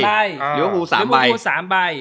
หรือว่าวู๓ใบ